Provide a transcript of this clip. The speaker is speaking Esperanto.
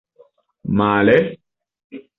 Male!